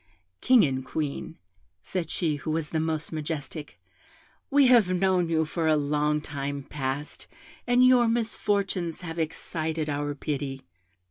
'King and Queen,' said she who was the most majestic, 'we have known you for a long time past, and your misfortunes have excited our pity.